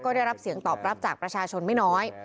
ได้รับเสียงตอบรับจากประชาชนไม่น้อย